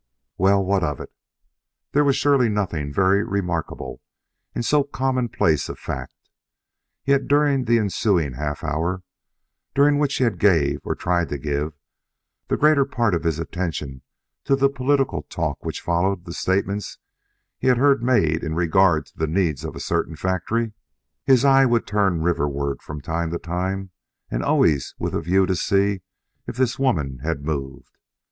Well, and what of it? There was surely nothing very remarkable in so commonplace a fact; yet during the ensuing half hour, during which he gave, or tried to give, the greater part of his attention to the political talk which followed the statements he had heard made in regard to the needs of a certain factory, his eye would turn riverward from time to time and always with a view to see if this woman had moved.